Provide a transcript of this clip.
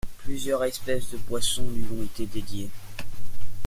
Plusieurs espèces de poissons lui ont été dédiées.